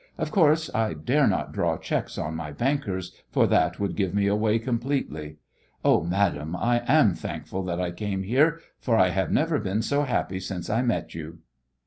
Of course I dare not draw cheques on my bankers, for that would give me away completely. Oh, madame, I am thankful that I came here, for I have never been so happy since I met you."